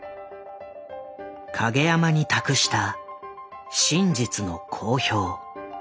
影山に託した「真実の公表」。